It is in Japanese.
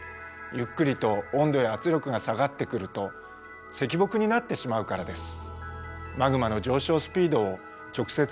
ゆっくりと温度や圧力が下がってくると石墨になってしまうからです。